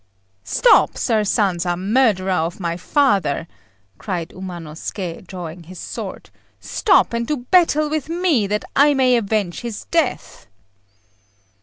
"Stop, Sir Sanza murderer of my father!" cried Umanosuké, drawing his sword, "stop and do battle with me, that I may avenge his death."